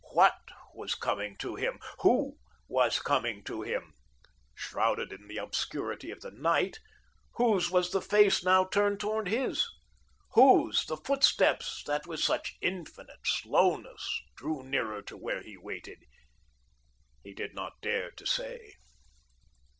What was coming to him? Who was coming to him? Shrouded in the obscurity of the night, whose was the face now turned towards his? Whose the footsteps that with such infinite slowness drew nearer to where he waited? He did not dare to say.